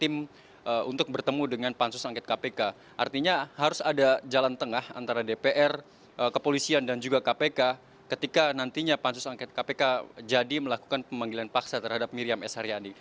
tim untuk bertemu dengan pansus angket kpk artinya harus ada jalan tengah antara dpr kepolisian dan juga kpk ketika nantinya pansus angket kpk jadi melakukan pemanggilan paksa terhadap miriam s haryadi